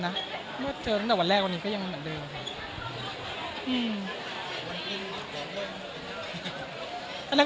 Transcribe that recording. อันเนินก็ต้องมีเปลี่ยนแปลงบ้าง